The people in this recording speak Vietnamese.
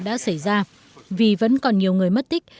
đã xảy ra vì vẫn còn nhiều người mất tích